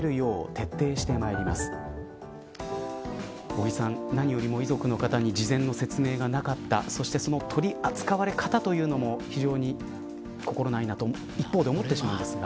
尾木さん、何よりも遺族の方に事前の説明がなかったそしてその取り扱われ方というのも非常に心ないなと一方で思ってしまいますが。